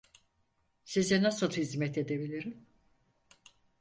Size nasıl hizmet edebilirim?